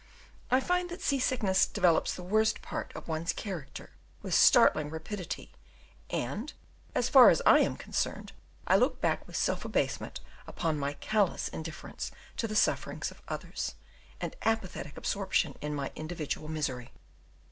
I find that sea sickness develops the worst part of one's character with startling rapidity, and, as far as I am concerned, I look back with self abasement upon my callous indifference to the sufferings of others, and apathetic absorption in my individual misery.